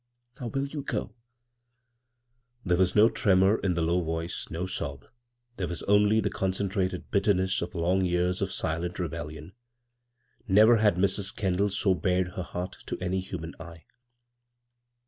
Now will you go?" There was no tremor in the low voice, no sob ; there was only the concentrated bitter ness of long years of silent rebellion. Never had Mrs. Kendall so bared her heart to any human eye.